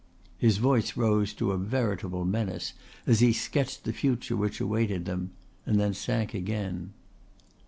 His voice rose to a veritable menace as he sketched the future which awaited them and then sank again.